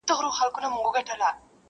• پر بهار یې را بللي تور پوځونه د زاغانو -